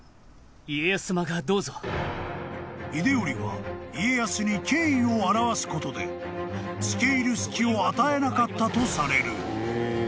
［秀頼は家康に敬意を表すことで付け入る隙を与えなかったとされる］